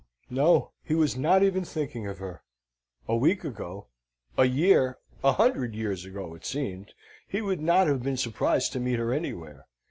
No. He was not even thinking of her! A week ago a year, a hundred years ago it seemed he would not have been surprised to meet her anywhere.